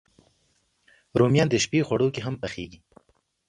رومیان د شپی خواړو کې هم پخېږي